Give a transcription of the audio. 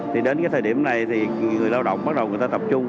thì đến cái thời điểm này thì người lao động bắt đầu người ta tập trung